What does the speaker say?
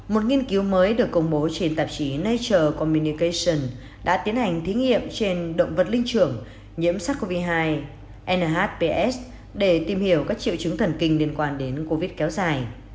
một nghiên cứu mới được công bố trên tạp chí nature commication đã tiến hành thí nghiệm trên động vật linh trưởng nhiễm sars cov hai nhps để tìm hiểu các triệu chứng thần kinh liên quan đến covid kéo dài